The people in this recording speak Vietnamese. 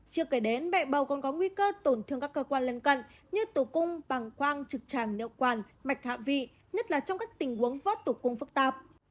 trước kể đến mẹ bầu còn có nguy cơ tổn thương các cơ quan lên cận như tủ cung bằng quang trực tràng nợ quản mạch hạ vị nhất là trong các tình huống vỡ tủ cung phức tạp